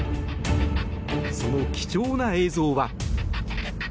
その貴重な映像は。